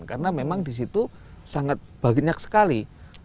karena memang disitu sangat bahagianya sekali